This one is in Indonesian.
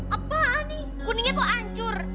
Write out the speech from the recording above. apaan nih kuningnya tuh ancur